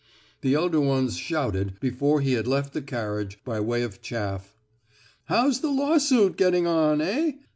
The elder ones shouted, before he had left the carriage, by way of chaff: "How's the lawsuit getting on, eh?"